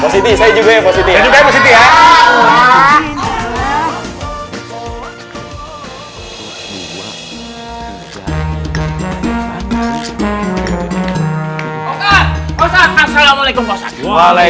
positif saya juga yang positif ya assalamualaikum